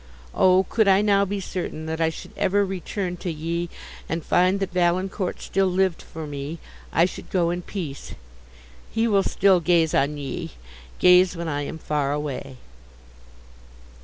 Oh, could I now be certain, that I should ever return to ye, and find that Valancourt still lived for me, I should go in peace! He will still gaze on ye, gaze when I am far away!"